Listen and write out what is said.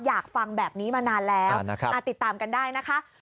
อยากฟังแบบนี้มานานแล้วติดตามกันได้นะคะ